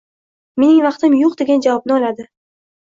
Mening vaqtim yo‘q” degan javobni oladi.